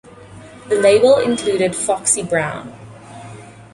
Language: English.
The label included Foxy Brown.